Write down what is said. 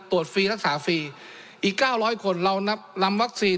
ฟรีรักษาฟรีอีก๙๐๐คนเรานับลำวัคซีน